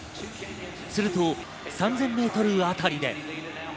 すると３０００ｍあたりで。